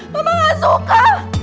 mama gak suka